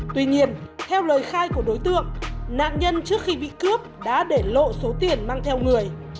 tuy nhiên theo lời khai của đối tượng nạn nhân trước khi bị cướp đã để lộ số tiền mang theo người